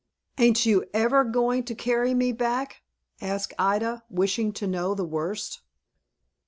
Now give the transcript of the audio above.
"Ain't you ever going to carry me back?" asked Ida, wishing to know the worst.